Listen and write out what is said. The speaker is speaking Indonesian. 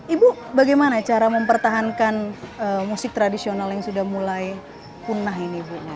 ibu bagaimana cara mempertahankan musik tradisional yang sudah mulai punah ini bu